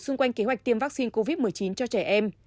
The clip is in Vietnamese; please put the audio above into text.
xung quanh kế hoạch tiêm vắc xin covid một mươi chín cho trẻ em